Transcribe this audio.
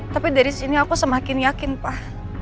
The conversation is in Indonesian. tapi dari sini aku semakin yakin pak